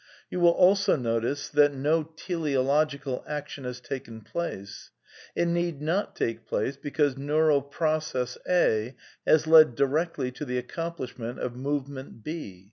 \ You will also notice that no teleologicai action has taJcevr^X\ I place. I t need not take place, because neural process a ^ has led directly to the accomplishment of movement b.